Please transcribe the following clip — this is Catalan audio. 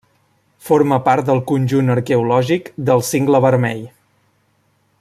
Forma part del conjunt arqueològic del Cingle Vermell.